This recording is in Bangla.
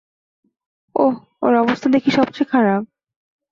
ওহ, ওর অবস্থা দেখি সবচেয়ে খারাপ।